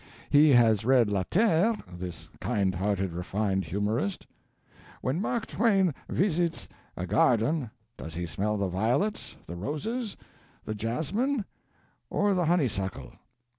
He has read La Terre this kind hearted, refined humorist! When Mark Twain visits a garden does he smell the violets, the roses, the jasmine, or the honeysuckle?